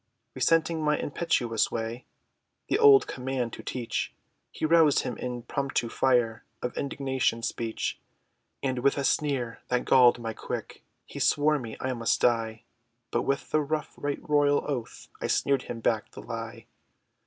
Resenting my impetuous way, The old command, to teach, He roused him to impromptu fire, Of indignation speech, And with a sneer, that galled my quick, He swore me, I must die! But with a rough right royal oath, I sneered him back the lie!